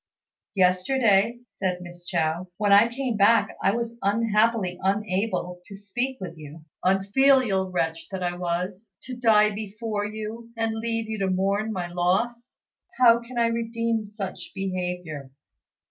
"Yesterday," said Miss Chao, "when I came back, I was unhappily unable to speak with you. Unfilial wretch that I was, to die before you, and leave you to mourn my loss. How can I redeem such behaviour?"